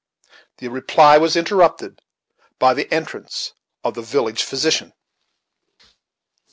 The reply was interrupted by the entrance of the village physician.